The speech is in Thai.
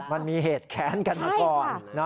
มันมีเหตุแค้นกันมาก่อน